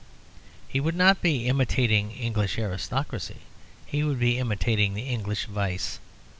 He would be imitating English aristocracy; he would be imitating the English vice.